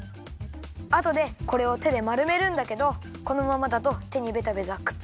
あとでこれをてでまるめるんだけどこのままだとてにべたべたくっついちゃうんだよね。